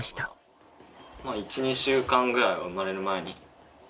１２週間ぐらいは生まれる前に。